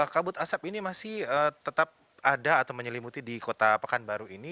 kabut asap ini masih tetap ada atau menyelimuti di kota pekanbaru ini